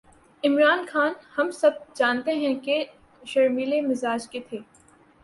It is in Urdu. عمران خان، ہم سب جانتے ہیں کہ شرمیلے مزاج کے تھے۔